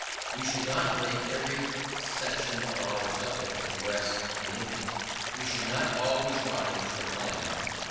We should not make every section of our subject progress in interest; we should not always rise to a climax.